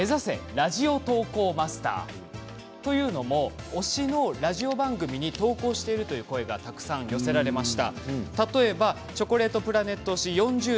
ラジオ投稿マスターというのも推しのラジオ番組に投稿しているという声がたくさん寄せられました。